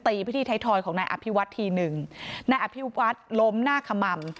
ไปที่ไทยทอยของนายอภิวัฒน์ทีหนึ่งนายอภิวัฒน์ล้มหน้าขม่ำ